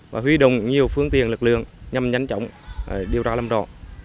và huy đồng nhiều phương tiền lực lượng nhằm nhắn chống điều tra làm rõ